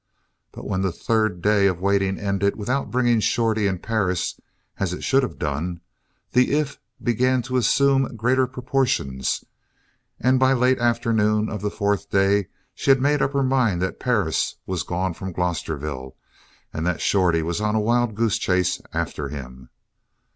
But when the third day of waiting ended without bringing Shorty and Perris, as it should have done, the "if" began to assume greater proportions, and by late afternoon of the fourth day she had made up her mind that Perris was gone from Glosterville and that Shorty was on a wild goose chase after him.